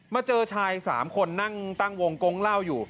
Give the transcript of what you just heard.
เจอชาย๓คนนั่งตั้งวงกงเหล้าอยู่